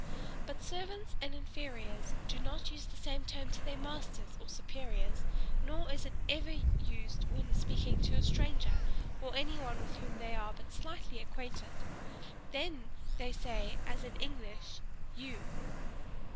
But servants and inferiors do not use the same term to their masters, or superiors nor is it ever used when speaking to a stranger, or anyone with whom they are but slightly acquainted they then say as in English you.